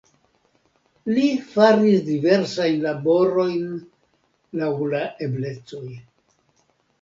Li faris diversajn laborojn laŭ la eblecoj.